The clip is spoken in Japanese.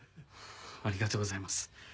ありがとうございます。